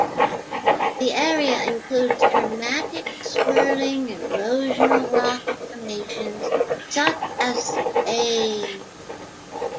The area includes dramatic swirling erosional rock formations such as The Wave.